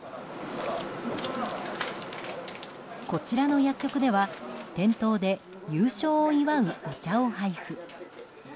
こちらの薬局では店頭で優勝を祝うお茶を配布。